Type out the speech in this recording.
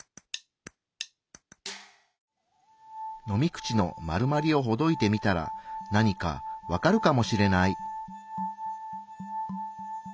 飲み口の丸まりをほどいてみたら何かわかるかもしれない。